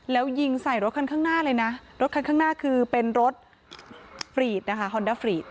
แล้วยิงใส่รถคันข้างหน้าเลยนะรถคันข้างหน้าคือเป็นรถฟรีดนะคะฮอนด้าฟรีด